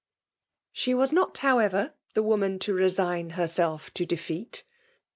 ^e was not» however, the woman to resign herself to defeat.